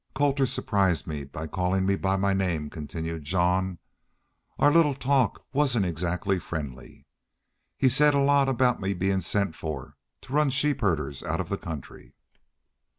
"Colter surprised me by callin' me by my name," continued Jean. "Our little talk wasn't exactly friendly. He said a lot about my bein' sent for to run sheep herders out of the country."